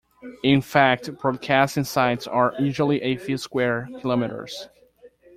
In fact, broadcasting sites are usually a few square kilometres.